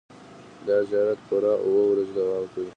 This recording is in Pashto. دا زیارت پوره اوه ورځې دوام کوي.